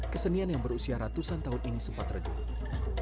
kesenian yang berusia ratusan tahun ini sempat regula